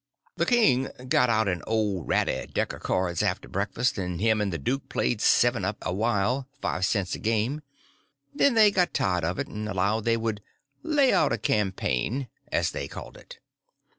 The king got out an old ratty deck of cards after breakfast, and him and the duke played seven up a while, five cents a game. Then they got tired of it, and allowed they would "lay out a campaign," as they called it.